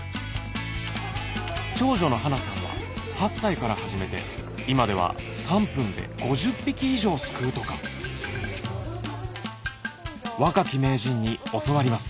長女の花菜さんは８歳から始めて今では３分で５０匹以上すくうとか若き名人に教わります